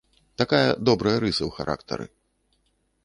Такая добрая рыса ў характары.